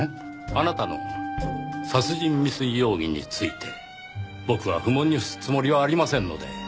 あなたの殺人未遂容疑について僕は不問に付すつもりはありませんので。